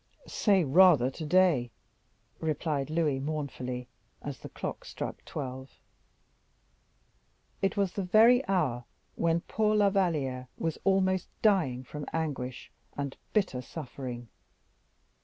"Say rather to day," replied Louis mournfully, as the clock struck twelve. It was the very hour when poor La Valliere was almost dying from anguish and bitter suffering.